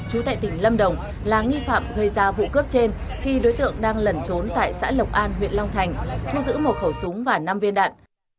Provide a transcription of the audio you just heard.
chú tại tỉnh lâm đồng là nghi phạm gây ra vụ cướp trên khi đối tượng đang lẩn trốn tại xã lộc an huyện long thành thu giữ một khẩu súng và năm viên đạn